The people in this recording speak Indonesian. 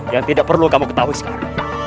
yang tidak perlu kamu ketahui sekarang